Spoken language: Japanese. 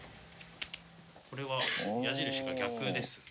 これは矢印が逆ですね。